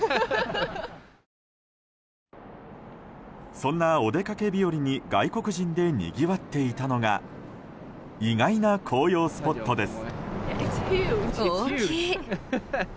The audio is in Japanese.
そんなお出かけ日和に外国人でにぎわっていたのが意外な紅葉スポットです。